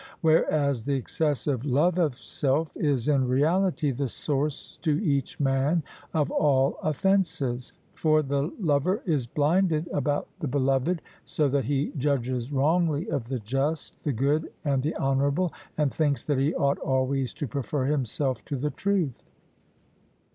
Whereas the excessive love of self is in reality the source to each man of all offences; for the lover is blinded about the beloved, so that he judges wrongly of the just, the good, and the honourable, and thinks that he ought always to prefer himself to the truth.